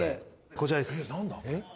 こちらです。